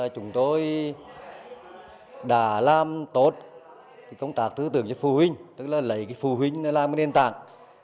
chúng tôi đã làm tốt công tác tư tưởng cho phụ huynh tức là lấy phụ huynh làm nền tảng